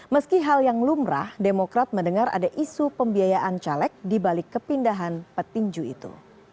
meski hal yang lumrah demokrat mendengar ada isu pembiayaan caleg dibalik kepindahan petinju itu